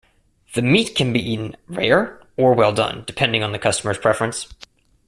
The meat can be eaten rare or well done, depending on the customer's preference.